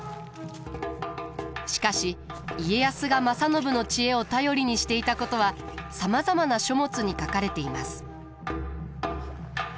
しかし家康が正信の知恵を頼りにしていたことはさまざまな書物に書かれています。